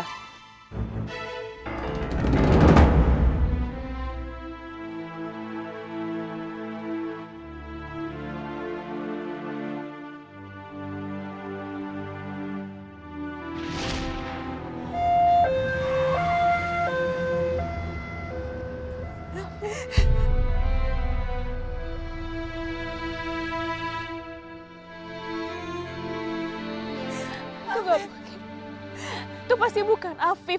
itu gak mungkin itu pasti bukan afif